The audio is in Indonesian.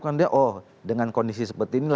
karena oh dengan kondisi seperti ini